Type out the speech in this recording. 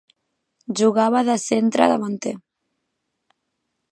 Jugava de centre davanter.